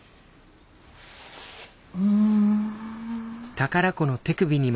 うん。